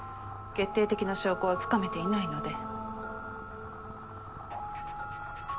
決定的な証拠は掴めていないので。